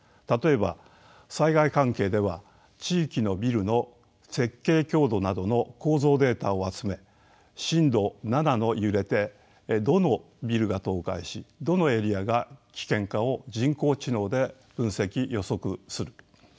例えば災害関係では地域のビルの設計強度などの構造データを集め震度７の揺れでどのビルが倒壊しどのエリアが危険かを人工知能で分析予測する。